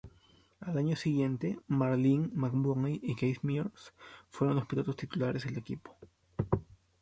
Al año siguiente, Marlin, McMurray y Casey Mears fueron los pilotos titulares del equipo.